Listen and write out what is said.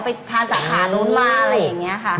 ไปทานสาขานู้นมาอะไรอย่างนี้ค่ะ